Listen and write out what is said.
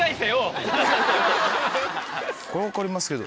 これ分かりますけど。